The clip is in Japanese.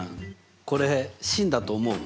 これ真だと思う？